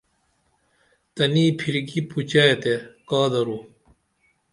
تنی پھرکی پُچے تے کا درو